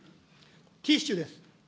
キッシュです。